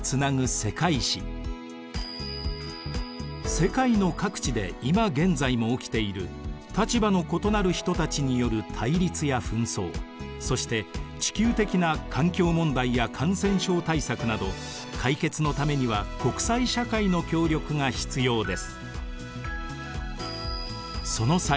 世界の各地で今現在も起きている立場の異なる人たちによる対立や紛争そして地球的な環境問題や感染症対策など解決のためには国際社会の協力が必要です。